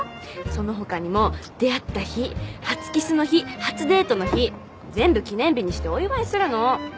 その他にも出会った日初キスの日初デートの日全部記念日にしてお祝いするの。